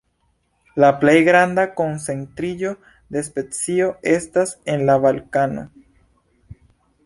La plej granda koncentriĝo de specio estas en la Balkano.